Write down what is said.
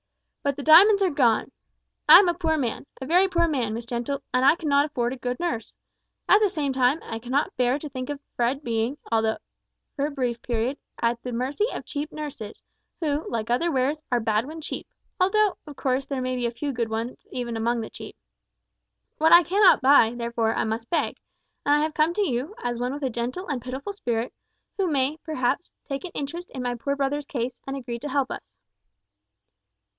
But the diamonds are gone! I am a poor man, a very poor man, Miss Gentle, and I cannot afford a good nurse. At the same time, I cannot bear to think of Fred being, even for a brief period, at the mercy of cheap nurses, who, like other wares, are bad when cheap although, of course, there may be a few good ones even among the cheap. What I cannot buy, therefore, I must beg; and I have come to you, as one with a gentle and pitiful spirit, who may, perhaps, take an interest in my poor brother's case, and agree to help us."